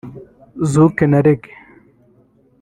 Zouk na Reggae